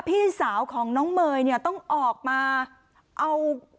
พี่สาวของน้องเมย์เนี่ยต้องออกมาเอา